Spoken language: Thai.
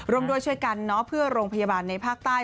ร่วมด้วยช่วยกันเพื่อโรงพยาบาลในภาคใต้